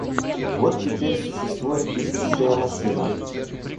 Вот теперь существует пишущая машина.